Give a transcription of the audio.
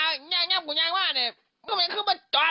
ต้องมายังขึ้นมาจัด